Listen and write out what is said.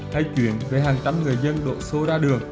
hay chuyện về hàng trăm người dân đổ xô ra đường